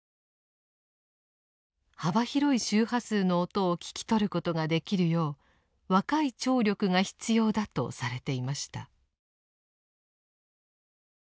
幅広い周波数の音を聞き取ることができるよう若い聴力が必要だとされていました。